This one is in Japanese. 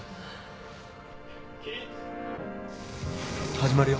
始まるよ。